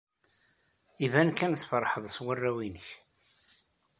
Iban kan tfeṛḥed s warraw-nnek.